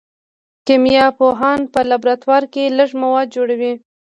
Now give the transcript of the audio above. کیمیا پوهان په لابراتوار کې لږ مواد جوړوي.